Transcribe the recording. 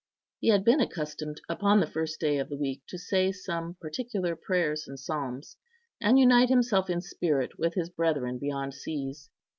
He had been accustomed upon the first day of the week to say some particular prayers and psalms, and unite himself in spirit with his brethren beyond seas.